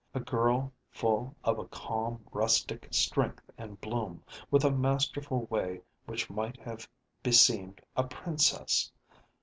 A girl full of a calm rustic strength and bloom, with a masterful way which might have beseemed a princess.